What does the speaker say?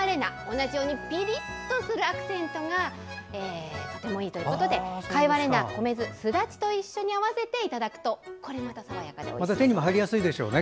同じようにピリッとするアクセントがとてもいいということで貝割れ菜、米酢、スダチと一緒に合わせていただくと手にも入りやすいでしょうね。